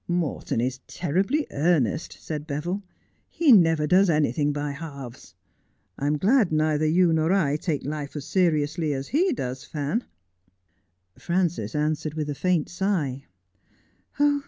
' Morton is terribly earnest,' said Beville ;' he never does anything by halves. I am glad neither you nor I take life as seriously as he does, Fan.' Frances answered with a faint sigh.